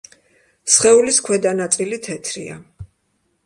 სხეულის ქვედა ნაწილი თეთრია.